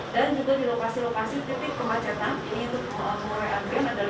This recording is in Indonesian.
dan juga di lokasi lokasi titik pemacetan ini untuk mulai adrian ada lima puluh unit